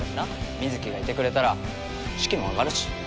水城がいてくれたら士気も上がるし。